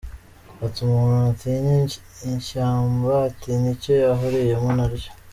Ati “Umuntu ntatinya ishyamba atinya icyo yahuriyemo naryo”.